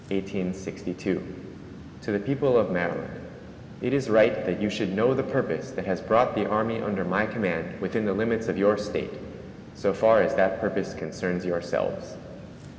_ "TO THE PEOPLE OF MARYLAND: It is right that you should know the purpose that has brought the army under my command within the limits of your State, so far as that purpose concerns yourselves.